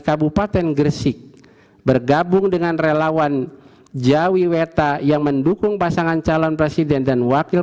kabupaten gresik bergabung dengan relawan jawiweta yang mendukung pasangan calon presiden dan wakil